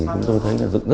bắt biển số xe